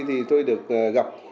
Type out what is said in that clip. thì tôi được gặp